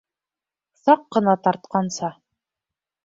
Саҡ ҡына тартҡанса.